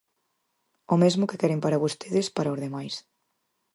O mesmo que queren para vostedes, para os demais.